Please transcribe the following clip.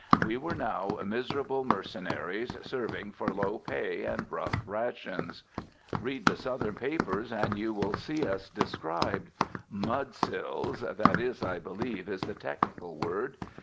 We were now miserable mercenaries, serving for low pay and rough rations. Read the Southern papers and you will see us described. "Mudsills," that, I believe, is the technical word.